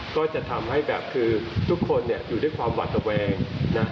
ก็จะทำให้แบบคือทุกคนเนี่ยอยู่ด้วยความหวัดระแวงนะ